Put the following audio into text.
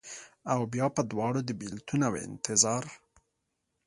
اوبیا په دواړو، د بیلتون اوانتظار